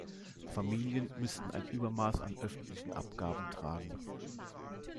Familien müssten ein Übermaß an öffentlichen Abgaben tragen.